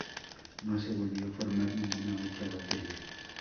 No se volvió a formar ninguna otra Batería.